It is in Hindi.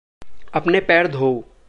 अपने पैर धोओ।